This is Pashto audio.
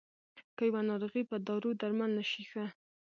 که يوه ناروغي په دارو درمل نه شي ښه.